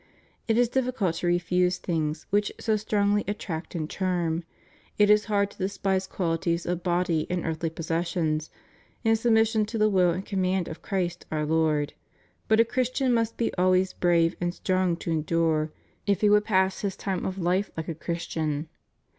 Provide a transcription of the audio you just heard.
It is difficult to refuse things which so strongly attract and charm; it is hard to despise qualities of body and earthly possessions, in submission to the will and command of Christ our Lord, but a Christian must be always brave and strong to endure, if he would pass his time of fife like a Christian.